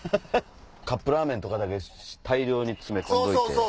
カップラーメンとかだけ大量に詰め込んどいて。